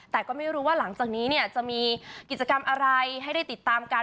แต่ก็ไม่รู้ว่าหลังจากนี้เนี่ยจะมีกิจกรรมอะไรให้ได้ติดตามกัน